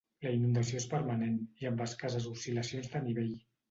La inundació és permanent i amb escasses oscil·lacions de nivell.